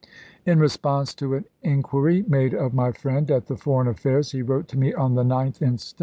In response to an inquiry made of my friend at the Foreign Affairs, he wrote to me on the 9th inst.